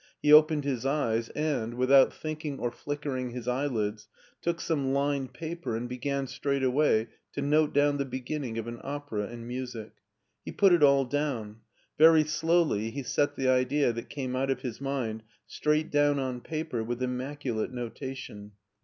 He opened his eyes and, without thinking or flickering his eyelids, took some lined paper and began straight away to note down the beginning of an opera in music He put it all down. Very slowly he set the idea that came out of his mind straight down on paper with immacu late notation.